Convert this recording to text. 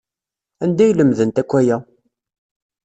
Anda ay lemdent akk aya?